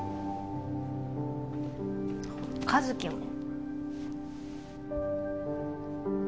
一輝も。